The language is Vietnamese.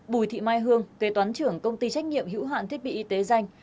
bùi thị mai hương kế toán trưởng công ty trách nhiệm hữu hạn thiết bị y tế danh